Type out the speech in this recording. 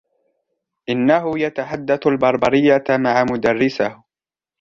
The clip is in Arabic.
إنهُ يتحدث البربرية مع مُدرسَهُ.